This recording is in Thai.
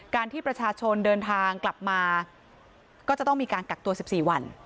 การที่ประชาชนเดินทางกลับมาก็จะต้องมีการกักตัว๑๔วัน